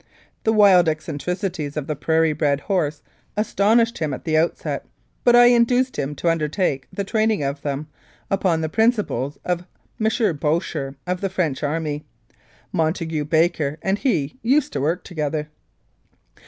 The wild eccentricities of the prairie bred horse astonished him at the outset, but I induced him to undertake the training of them upon the principles of M. Baucher, of the French army. Montague Baker and he used to work together.